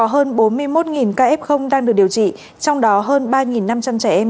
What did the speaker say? hiện tp hcm có hơn bốn mươi một kf đang được điều trị trong đó hơn ba năm trăm linh trẻ em